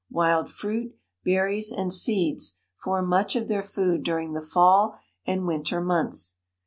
Wild fruit, berries, and seeds form much of their food during the fall and winter months.